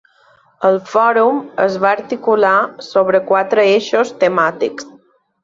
El fòrum es va articular sobre quatre eixos temàtics.